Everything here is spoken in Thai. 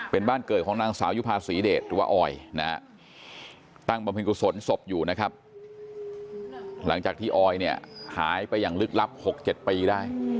เป็นบ้านเกิดของนางสาวยุภาสุริเดชหรือว่าออยตั้งบำพิกุศลศพอยู่หลังจากที่ออยหายไปอย่างลึกลับ๖๗ปีได้